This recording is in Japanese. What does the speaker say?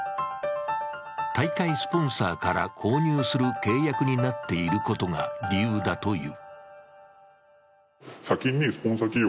大会スポンサーから購入する契約になっていることが理由だという。